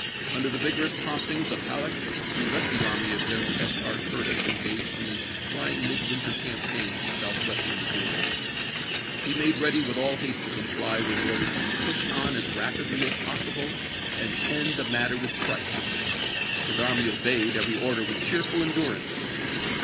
Under the vigorous promptings of Halleck we left the army of Greneral S. R. Curtis engaged in his try ing midwinter campaign in Southwestern Missouri. He made ready with all haste to comply with the order to " push on as rapidly as possible and end the matter with Price." His army obeyed every order with cheerful endurance.